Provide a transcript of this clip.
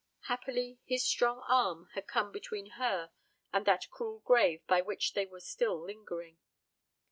Happily his strong arm had come between her and that cruel grave by which they were still lingering.